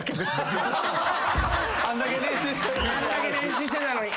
あんだけ練習してたのに。